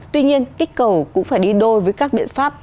tuy nhiên kích cầu cũng phải đi đôi với các biện pháp